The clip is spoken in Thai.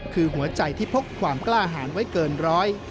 คือหัวใจที่พกความกล้าหารไว้เกินร้อย